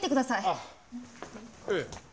あっええ。